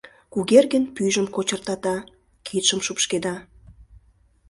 — Кугергин пӱйжым кочыртата, кидшым шупшкеда.